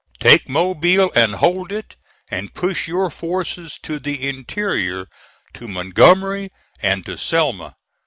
Take Mobile and hold it, and push your forces to the interior to Montgomery and to Selma.